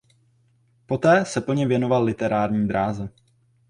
Poté se plně věnoval literární dráze.